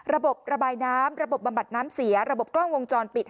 ระบบระบายน้ำระบบบำบัดน้ำเสียระบบกล้องวงจรปิด